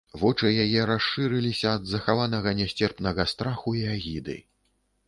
Вочы яе расшырыліся ад захаванага нясцерпнага страху і агіды.